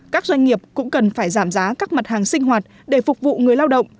các doanh nghiệp cũng cần phải giảm giá các mặt hàng sinh hoạt để phục vụ người lao động